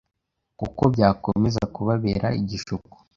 Kuko byakomeza kubabera igishuko.